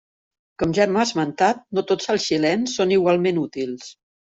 Com ja hem esmentat, no tots els xilens són igualment útils.